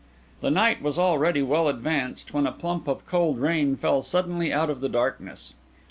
The night was already well advanced when a plump of cold rain fell suddenly out of the darkness.